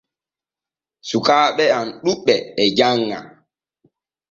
Sukkaaɓe am ɗuɓɓe e janŋa.